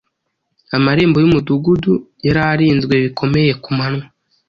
Amarembo y’umudugudu yari arinzwe bikomeye ku manywa